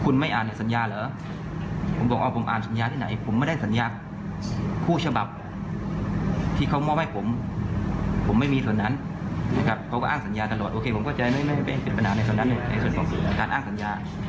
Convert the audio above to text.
ในส่วนของการอ้างสัญญา